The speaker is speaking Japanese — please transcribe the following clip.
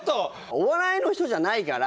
お笑いの人じゃないから。